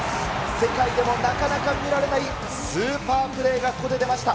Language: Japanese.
世界でもなかなか見られないスーパープレーがここで出ました。